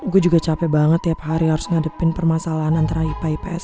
gue juga capek banget tiap hari harus ngadepin permasalahan antara ipa ips